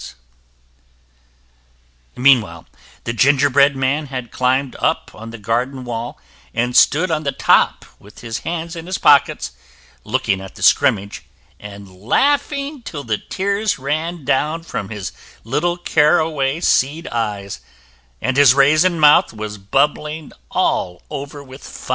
Meanwhile, the gingerbread man had climbed up on the garden wall, and stood on the top with his hands in his pockets, looking at the scrimmage, and laughing till the tears ran down from his little caraway seed eyes and his raisin mouth was bubbling all over with fun.